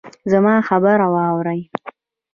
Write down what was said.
زما خبره واورئ